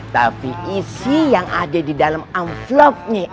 tapi isi yang ada di dalam amplopnya